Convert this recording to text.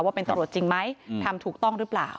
ว่าเป็นตำรวจจริงไหมทำถูกต้องหรือเปล่า